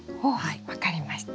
分かりました。